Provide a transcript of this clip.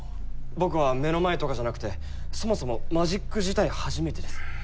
僕は目の前とかじゃなくてそもそもマジック自体初めてです。